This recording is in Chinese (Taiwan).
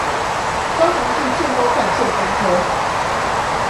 高雄市建工幹線公車